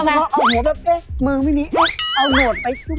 แล้วลองอ่อหัวแบบเอ๊ะมึงไม่มีเอ๊ะเอานวดไปซุ่ม